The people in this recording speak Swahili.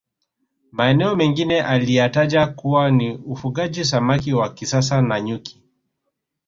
Maeneo mengine aliyataja kuwa ni ufugaji samaki wa kisasa na nyuki